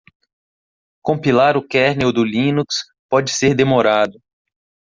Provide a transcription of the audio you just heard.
Compilar o kernel do Linux pode ser demorado.